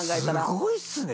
すごいですね。